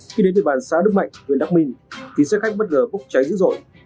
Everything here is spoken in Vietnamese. khi đến về bàn xã đức mạnh huyện đắk minh thì xe khách bất ngờ bốc cháy dữ dội